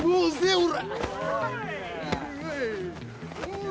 おら。